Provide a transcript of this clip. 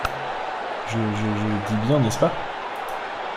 Je, je, je, dis bien, n’est-ce pas?